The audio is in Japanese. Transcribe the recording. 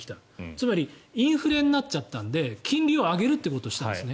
つまりインフレになっちゃったので金利を上げるということをしたんですね。